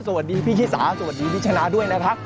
สวัสดีพี่ชิสาสวัสดีพี่ชนะด้วยนะครับ